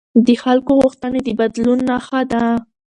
د خلکو غوښتنې د بدلون نښه ده